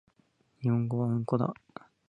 日本語はうんこだ